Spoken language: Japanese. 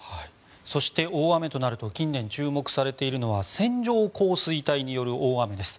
そして大雨となると近年注目されているのは線状降水帯による大雨です。